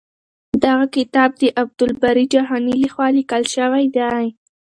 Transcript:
دغه کتاب د عبدالباري جهاني لخوا لیکل شوی دی.